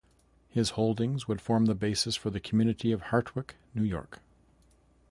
His holdings would form the basis for the community of Hartwick, New York.